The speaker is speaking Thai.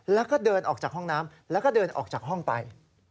แล้วก็เดินออกจากห้องน้ำแล้วก็เดินออกจากห้องไป